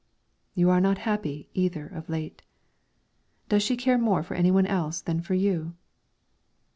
"You are not happy, either, of late. Does she care more for any one else than for you?"